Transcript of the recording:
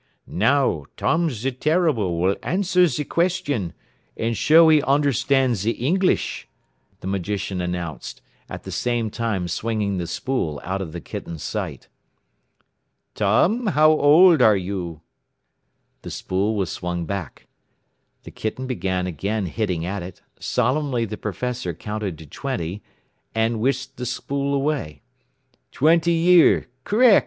"Now Tom ze Terrible will answer ze question, and show he onderstan' ze Ingleesh," the magician announced, at the same time swinging the spool out of the kitten's sight. "Tom, how old you are?" The spool was swung back, the kitten began again hitting at it, solemnly the professor counted to twenty, and whisked the spool away. "Twenty year. Correc'.